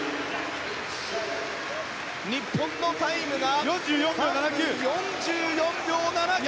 日本のタイムは３分４４秒７９。